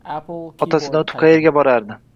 Otasidan o`tib qaerga borardi